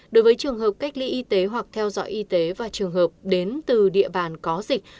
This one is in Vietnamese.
đối với trường hợp cách ly y tế hoặc theo dõi y tế và trường hợp đến từ địa bàn có dịch